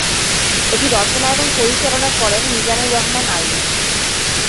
এটি রচনা এবং পরিচালনা করেন মিজানুর রহমান আরিয়ান।